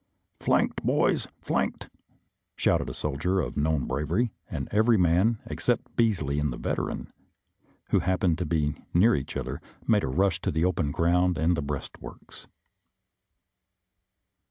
" Flanked, boys, flanked!" shouted a soldier of known bravery, and every man, except Beasley and the Veteran, who happened to be near each other, made a rush to the open ground and the breastworks.